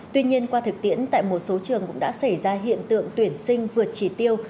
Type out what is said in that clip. tuy nhiên qua thực tiễn tại một số trường cũng đã xảy ra hiện tượng tuyển sinh vượt chỉ tiêu